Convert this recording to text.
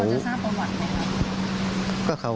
ควรจะทราบประวัติแหละ